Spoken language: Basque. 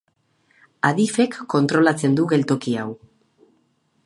Adifek kontrolatzen du geltoki hau.